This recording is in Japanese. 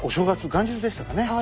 元日でしたね。